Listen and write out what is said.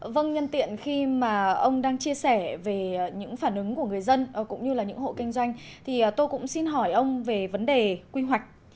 vâng nhân tiện khi mà ông đang chia sẻ về những phản ứng của người dân cũng như là những hộ kinh doanh thì tôi cũng xin hỏi ông về vấn đề quy hoạch